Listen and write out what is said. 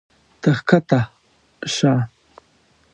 ته ښکته شه.